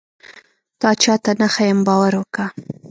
تا چاته نه ښيم باور وکه.